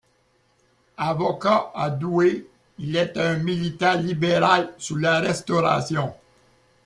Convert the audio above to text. Avocat à Douai, il est un militant libéral sous la Restauration.